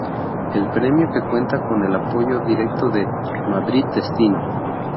El premio, que cuenta con el apoyo directo de "Madrid Destino.